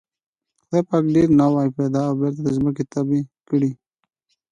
خدای پاک ډېر نوغې پيدا او بېرته د ځمکې تبی کړې.